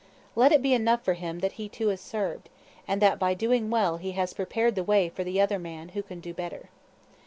Let it be enough for him that he too has served, and that by doing well he has prepared the way for the other man who can do better.